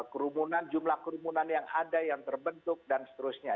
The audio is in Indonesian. kerobunan jumlah kerobunan yang ada yang terbentuk dan seterusnya